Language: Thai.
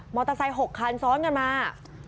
เตอร์ไซค์๖คันซ้อนกันมา